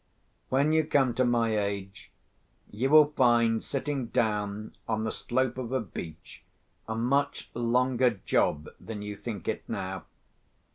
When you come to my age, you will find sitting down on the slope of a beach a much longer job than you think it now.